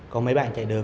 có mấy bạn chạy được